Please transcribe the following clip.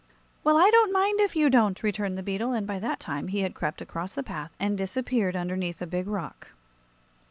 "Well, I don't mind if you don't," returned the beetle, and by that time he had crept across the path and disappeared underneath a big rock.